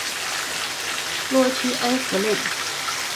洛屈埃夫雷。